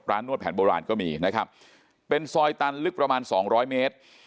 นวดแผนโบราณก็มีนะครับเป็นซอยตันลึกประมาณสองร้อยเมตร